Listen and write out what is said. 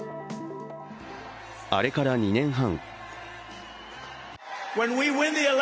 あれから２年半。